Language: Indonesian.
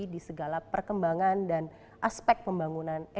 di segala perkembangan dan aspek pembangunan ekonomi